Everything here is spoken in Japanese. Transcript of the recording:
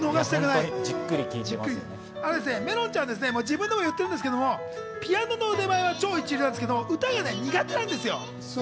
めろんちゃん、自分でも言ってるんですけれども、ピアノの腕前は超一流なんですが、歌は苦手なんですよ。